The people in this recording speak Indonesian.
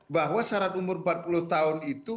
bahwa syarat umur empat puluh tahun itu